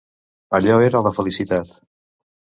Allò era la felicitat.